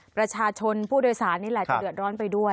ประชาชนผู้โดยสารนี่แหละจะเดือดร้อนไปด้วย